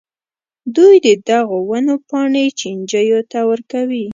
دوی د دغو ونو پاڼې چینجیو ته ورکوي.